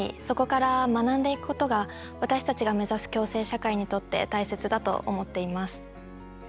そこから学んでいくことが私たちが目指す共生社会にとって大切だと思っています。